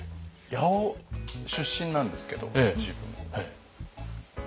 八尾出身なんですけど自分。